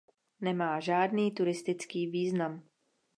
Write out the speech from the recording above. Nemá žádný turistický význam.